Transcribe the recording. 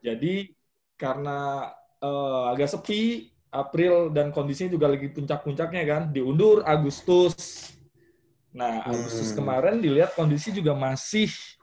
jadi karena agak sepi april dan kondisinya juga lagi puncak puncaknya kan diundur agustus nah agustus kemarin diliat kondisi juga masih